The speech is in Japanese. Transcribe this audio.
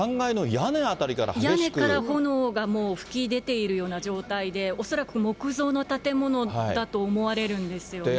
屋根から炎が噴き出ているような状態で、恐らく木造の建物だと思われるんですよね。